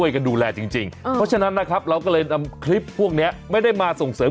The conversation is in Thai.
คู่กับสบัดข่าว